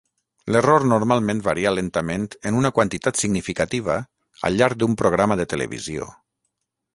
L'error normalment varia lentament en una quantitat significativa al llarg d'un programa de televisió.